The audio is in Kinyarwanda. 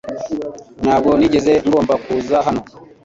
Ntabwo nigeze ngomba kuza hano .